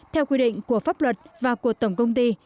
theo quy định của pháp luật và của tổng công ty